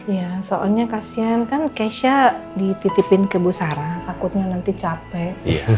ya soalnya kasihan kan keisha dititipin ke bu sarah takutnya nanti capek